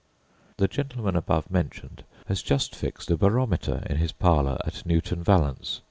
The gentleman above mentioned has just fixed a barometer in his parlour at Newton Valence.